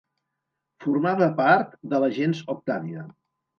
Formava part de la gens Octàvia.